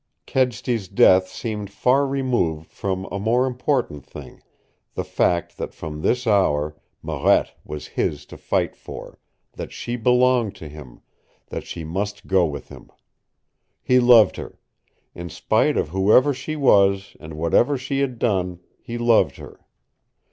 Kedsty's death seemed far removed from a more important thing the fact that from this hour Marette was his to fight for, that she belonged to him, that she must go with him. He loved her. In spite of whoever she was and whatever she had done, he loved her.